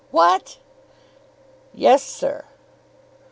"What?" "Yes, sir."